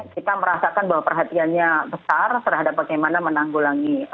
kita merasakan bahwa perhatiannya besar terhadap bagaimana menanggulangi